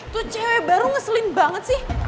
tuh cewek baru ngeselin banget sih